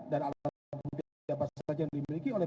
dan alat bukti apa saja yang sudah dimiliki oleh